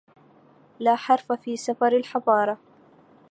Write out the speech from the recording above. لا حرف في سفر الحضارهْ!